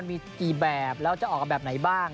มีกี่แบบแล้วจะออกกันแบบไหนบ้าง